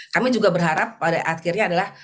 kami juga berharap pada akhirnya adalah